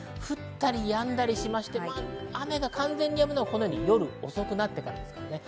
降ったりやんだりして、雨が完全にやむのは夜遅くなってからです。